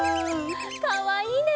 かわいいね！